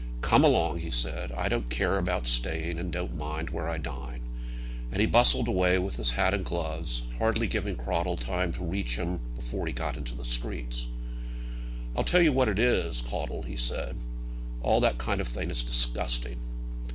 "Come along," said he, "I don't care about staying, and don't mind where I dine." And he bustled away with his hat and gloves, hardly giving Cradell time to catch him before he got out into the streets. "I tell you what it is, Caudle," said he, "all that kind of thing is disgusting."